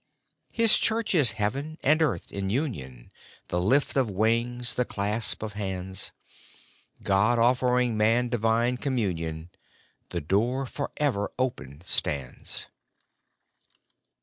His Church is heaven and earth in union ; The lift of wings, the clasp of hands ! God offering man divine communion !— The door forever open stands.